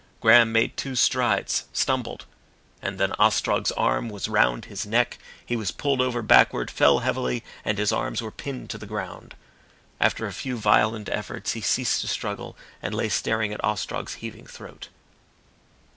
Graham made two strides, stumbled. And then Ostrog's arm was round his neck, he was pulled over backward, fell heavily, and his arms were pinned to the ground. After a few violent efforts he ceased to struggle and lay staring at Ostrog's heaving throat.